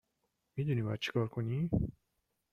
می دونی باید چیکار کنی